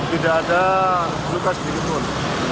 tidak ada perlukaan sedikitpun